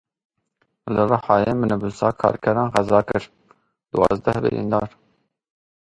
Li Rihayê minibusa karkeran qeza kir duwazdeh birîndar.